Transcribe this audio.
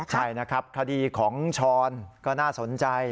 ใช่นะครับคดีของช้อนก็น่าสนใจ